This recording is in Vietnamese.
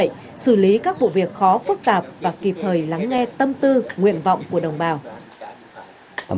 xử lý các vụ việc khó phức tạp và kịp thời lắng nghe tâm tư nguyện vọng của đồng bào